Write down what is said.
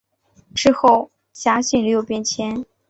之后辖境屡有变迁。